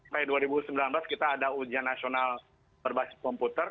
mei dua ribu sembilan belas kita ada ujian nasional berbasis komputer